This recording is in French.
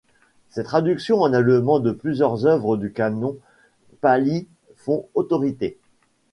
Ses traductions en allemand de plusieurs œuvres du Canon pali font autorité.